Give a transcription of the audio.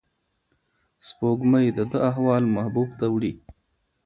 سپوږمۍ د ده احوال محبوب ته وړي.